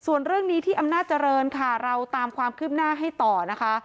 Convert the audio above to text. ส่วนเรื่องนี้ที่อำนาจเจริญค่ะเราตามความคืบหน้าให้ต่อนะคะ